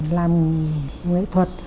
làm nghệ thuật